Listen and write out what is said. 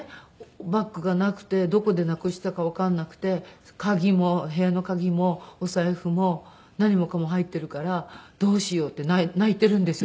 バッグがなくてどこでなくしたかわかんなくて鍵も部屋の鍵もお財布も何もかも入っているからどうしよう」って泣いているんですよ